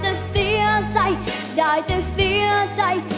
แต่เสียใจได้แต่เสียใจ